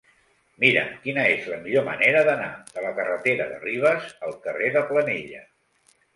Mira'm quina és la millor manera d'anar de la carretera de Ribes al carrer de Planella.